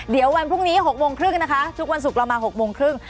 เดี๋ยววันพรุ่งนี้๖โมงครึ่งนะคะทุกวันศุกร์เรามา๖โมงครึ่ง